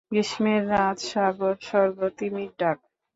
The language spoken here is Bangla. গ্রীষ্মের রাত, সাগর-স্বর্গ, তিমির ডাক।